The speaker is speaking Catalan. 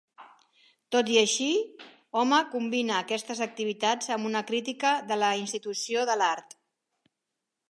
Tot i així, Home combina aquestes activitats amb una crítica de la institució de l'art.